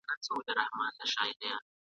له جګړې سره لاس او ګرېوان کېده.